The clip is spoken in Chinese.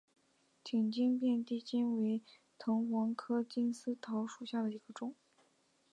挺茎遍地金为藤黄科金丝桃属下的一个种。